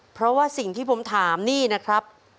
เพราะว่าสิ่งที่ผมถามนี่นะครับ